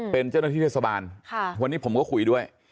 เป็นเจ้าหน้าที่เทศบาลวันนี้ผมก็คุยด้วย